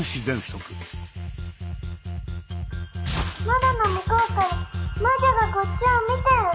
窓の向こうから魔女がこっちを見てる！